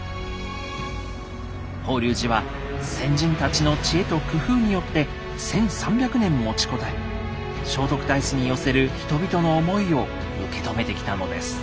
法隆寺は先人たちの知恵と工夫によって１，３００年持ちこたえ聖徳太子に寄せる人々の思いを受け止めてきたのです。